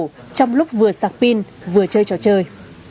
trong lúc vừa sạc pin vừa chơi trò chơi